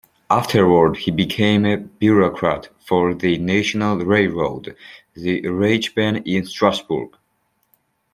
Afterwards, he became a bureaucrat for the national railroad, the Reichsbahn, in Strasbourg.